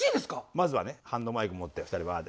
まずはねハンドマイク持って２人バーッて。